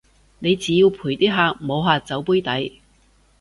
你只要陪啲客摸下酒杯底